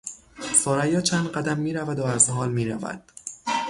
ثریا چند قدم میرود و از حال میرود